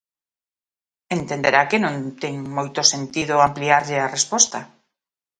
Entenderá que non ten moito sentido ampliarlle a resposta.